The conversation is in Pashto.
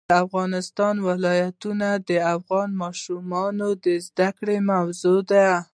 د افغانستان ولايتونه د افغان ماشومانو د زده کړې موضوع ده.